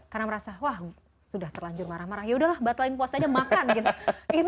karena merasa wah sudah terlanjur marah marah yaudahlah batalkan puasanya makan gitu